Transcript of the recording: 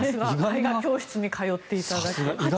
絵画教室に通っていただけある。